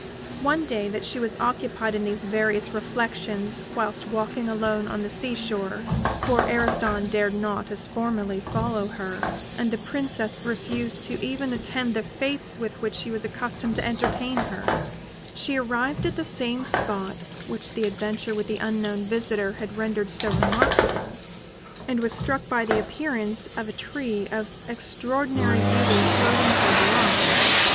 One day that she was occupied in these various reflections whilst walking alone on the sea shore for Ariston dared not, as formerly, follow her, and the Princess refused even to attend the fêtes with which he was accustomed to entertain her, she arrived at the same spot which the adventure with the unknown visitor had rendered so remarkable, and was struck by the appearance of a tree of extraordinary beauty floating towards the rock.